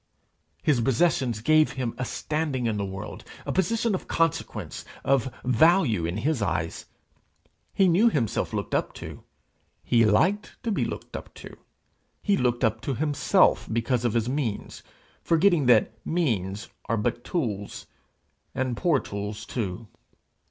His possessions gave him a standing in the world a position of consequence of value in his eyes. He knew himself looked up to; he liked to be looked up to; he looked up to himself because of his means, forgetting that means are but tools, and poor tools too.